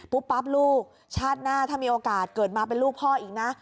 ปั๊บลูกชาติหน้าถ้ามีโอกาสเกิดมาเป็นลูกพ่ออีกนะ